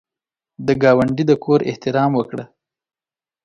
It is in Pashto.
د ګاونډي د کور احترام وکړه